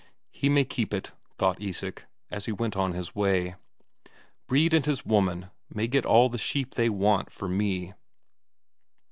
He may keep it, thought Isak, as he went on his way; Brede and his woman may get all the sheep they want, for me!